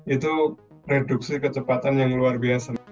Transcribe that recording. itu reduksi kecepatan yang luar biasa